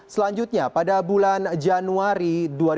selanjutnya pada bulan januari dua ribu tujuh belas